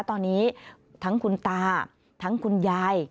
ตอนนี้ทั้งคุณตาทั้งคุณยาย